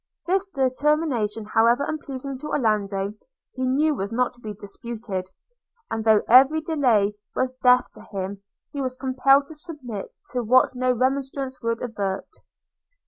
This determination, however unpleasing to Orlando, he knew was not to be disputed; and, though every delay was death to him, he was compelled to submit to what no remonstrance would avert.